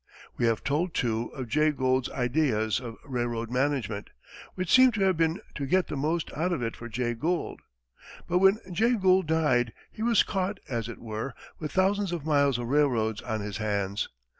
We have told, too, of Jay Gould's ideas of railroad management, which seem to have been to get the most out of it for Jay Gould. But when Jay Gould died, he was caught, as it were, with thousands of miles of railroads on his hands.